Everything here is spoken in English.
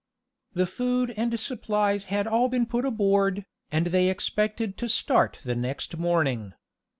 The food and supplies had all been put aboard, and they expected to start the next morning.